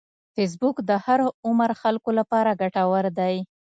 فېسبوک د هر عمر خلکو لپاره ګټور دی